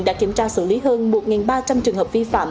đã kiểm tra xử lý hơn một ba trăm linh trường hợp vi phạm